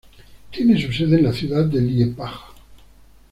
Tiene su sede en la ciudad de Liepāja.